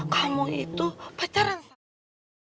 kamu itu pacaran sama